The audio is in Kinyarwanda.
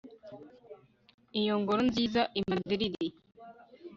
iyo ngoro nziza i madrid